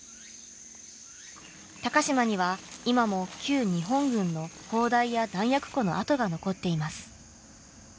高島には今も旧日本軍の砲台や弾薬庫の跡が残っています。